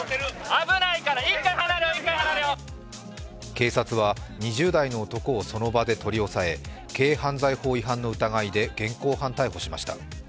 警察は２０代の男をその場で取り押さえ軽犯罪法違反の疑いで現行犯逮捕しました。